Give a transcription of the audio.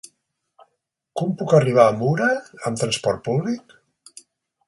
Com puc arribar a Mura amb trasport públic?